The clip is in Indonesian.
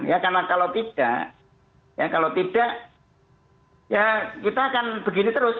ya karena kalau tidak ya kalau tidak ya kita akan begini terus